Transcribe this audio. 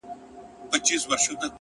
o اوس يې څنگه ښه له ياده وباسم ـ